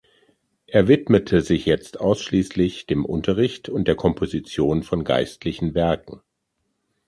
Er widmete sich jetzt ausschließlich dem Unterricht und der Komposition von geistlichen Werken.